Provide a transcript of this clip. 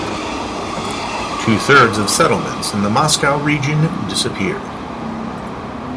Two thirds of settlements in the Moscow region disappeared.